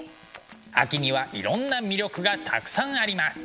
秋にはいろんな魅力がたくさんあります。